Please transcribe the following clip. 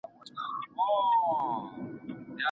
که قيامت راسي ظالمان به سزا وويني.